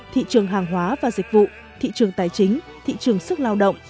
thị trường hàng hóa và dịch vụ thị trường tài chính thị trường sức lao động